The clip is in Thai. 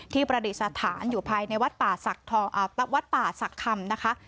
ประดิษฐานอยู่ภายในวัดป่าศักดิ์คำนะคะ